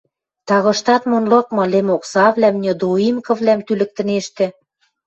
тагыштат мон лыкмы лӹмоксавлӓм, недоимкывлӓм тӱлӹктӹнештӹ...